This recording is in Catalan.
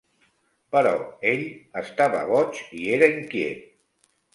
Però ell estava boig i era inquiet.